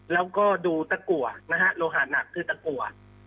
แล้วก็ดูตะกัวนะฮะโลหะหนักคือตะกัว